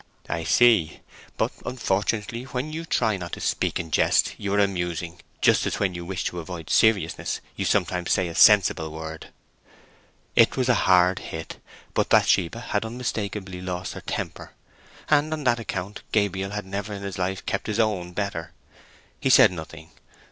"I see. But, unfortunately, when you try not to speak in jest you are amusing—just as when you wish to avoid seriousness you sometimes say a sensible word." It was a hard hit, but Bathsheba had unmistakably lost her temper, and on that account Gabriel had never in his life kept his own better. He said nothing.